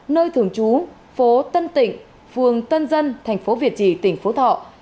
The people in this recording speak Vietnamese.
nơi thường trú phố tân tịnh phường tân dân tp việt trị tỉnh phú thọ